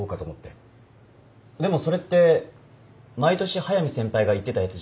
でもそれって毎年速見先輩が行ってたやつじゃ。